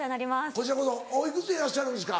こちらこそお幾つでいらっしゃるんですか？